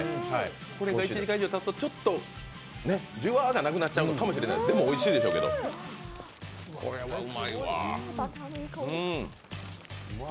１時間以上たつとじゅわがなくなってくるのかもしれません、でもおいしいでしょうけど、これはうまいわ。